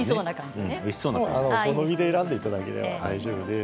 お好みで選んでいただければ大丈夫です。